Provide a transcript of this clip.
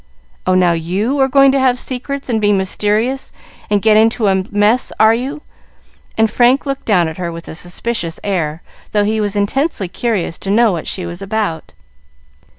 "Oh, now you are going to have secrets and be mysterious, and get into a mess, are you?" and Frank looked down at her with a suspicious air, though he was intensely curious to know what she was about.